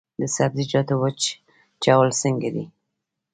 د سبزیجاتو وچول څنګه دي؟